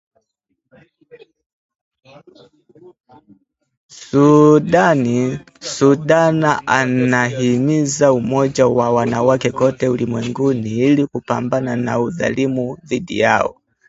Sudana anahimiza umoja wa wanawake kote ulimwenguni ili kupambana na udhalimu dhidi yao